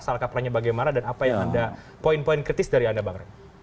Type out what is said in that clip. salah kaprahnya bagaimana dan apa yang anda poin poin kritis dari anda bang rey